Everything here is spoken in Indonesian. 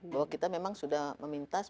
bahwa kita memang sudah meminta